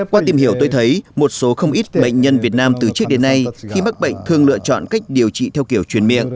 qua tìm hiểu tôi thấy một số không ít bệnh nhân việt nam từ trước đến nay khi mắc bệnh thường lựa chọn cách điều trị theo kiểu truyền miệng